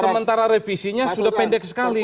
sementara revisinya sudah pendek sekali